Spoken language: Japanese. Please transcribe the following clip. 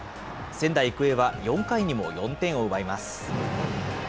仙台育英は４回にも４点を奪います。